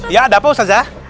ya ada apa ustazah